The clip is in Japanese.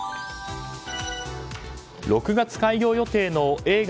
６月開業予定の映画